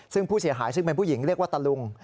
ซึ่งผู้เสียหายซึ่งเป็นผู้หญิงเรียกว่าตะลุง